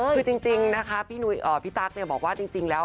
คือจริงนะคะพี่ตั๊กบอกว่าจริงแล้ว